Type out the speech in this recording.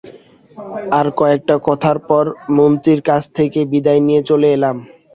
আর কয়েকটা কথার পর মন্ত্রীর কাছ থেকে বিদায় নিয়ে চলে এলাম।